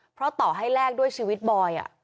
เพราะต่อให้แลกด้วยชีวิตบอย